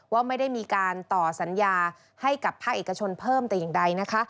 ว่าไม่ได้มีการต่อสัญญาให้กับภาคเอกชนเพิ่มแต่อย่างใดนะคะ